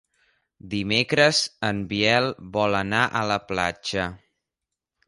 Dimecres en Biel vol anar a la platja.